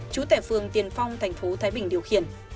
chú tẻ phương tiền phong tp thái bình điều khiển